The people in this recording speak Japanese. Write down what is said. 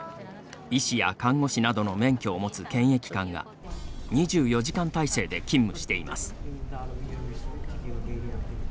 医師や看護師などの免許を持つ検疫官が２４時間体制で勤務しています。